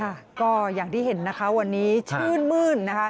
ค่ะก็อยากได้เห็นวันนี้ชื่นมื้น